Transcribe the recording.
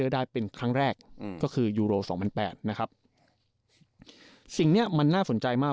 ได้เป็นครั้งแรกอืมก็คือยูโรสองพันแปดนะครับสิ่งเนี้ยมันน่าสนใจมาก